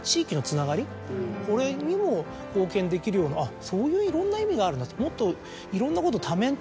これにも貢献できるようなそういういろんな意味があるなともっといろんなこと。